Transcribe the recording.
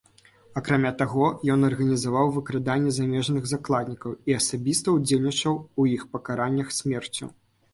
Акрамя таго, ён арганізаваў выкраданні замежных закладнікаў і асабіста ўдзельнічаў у іх пакараннях смерцю.